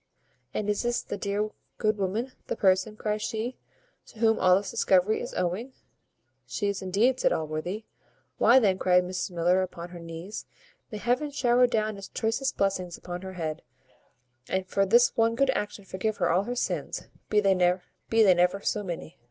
"And is this the dear good woman, the person," cries she, "to whom all this discovery is owing?" "She is indeed," says Allworthy. "Why, then," cried Mrs Miller, upon her knees, "may Heaven shower down its choicest blessings upon her head, and for this one good action forgive her all her sins, be they never so many!"